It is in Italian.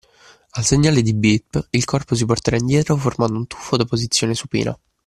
Al segnale di “Beep” il corpo si porterà indietro formando un tuffo da posizione supina.